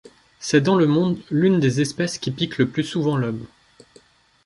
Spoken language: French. C'est dans le monde l'une des espèces qui piquent le plus souvent l'Homme.